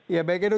ya baik itu